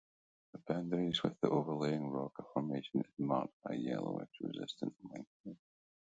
The boundary with the overlying Roca Formation is marked by yellowish resistant limestones.